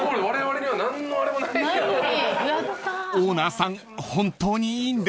［オーナーさん